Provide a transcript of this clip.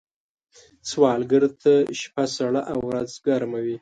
سوالګر ته شپه سړه او ورځ ګرمه وي